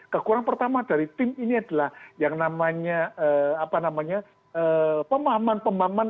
kekurangan pertama dari tim ini adalah yang namanya pemahaman pemahaman